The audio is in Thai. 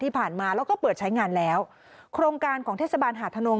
ที่ผ่านมาแล้วก็เปิดใช้งานแล้วโครงการของเทศบาลหาดธนง